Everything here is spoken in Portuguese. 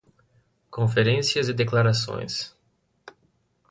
Conferências e declarações